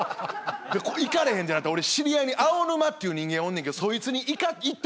「行かれへんってなって俺知り合いにアオヌマっていう人間おんねんけどそいつに行ってもらってん」